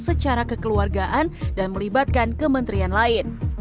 secara kekeluargaan dan melibatkan kementerian lain